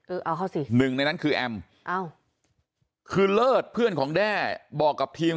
คือเอาเข้าสิหนึ่งในนั้นคือแอมคือเลิศเพื่อนของแด้บอกกับทีม